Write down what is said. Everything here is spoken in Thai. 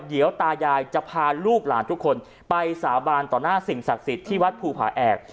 เดี๋ยวตายายจะพาลูกหลานทุกคนไปสาบานต่อหน้าสิ่งศักดิ์สิทธิ์ที่วัดภูผาแอก